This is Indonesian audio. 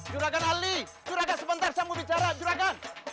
julaga ali julaga sebentar saya mau bicara julaga